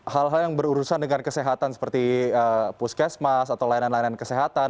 hal hal yang berurusan dengan kesehatan seperti puskesmas atau layanan layanan kesehatan